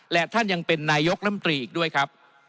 และท่านยังเป็นนายกรรมตรีอีกด้วยครับ